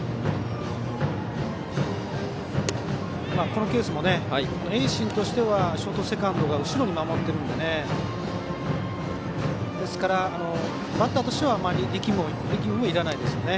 このケースも盈進としてはショート、セカンドが後ろに守っているのでですから、バッターとしてはあまり力みはいらないですね。